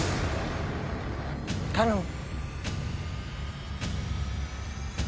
頼む。